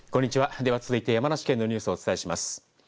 では続いて山梨県のニュースをお伝えします。